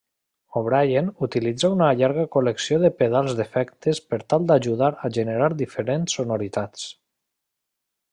O'Brien utilitza una llarga col·lecció de pedals d'efectes per tal d'ajudar a generar diferents sonoritats.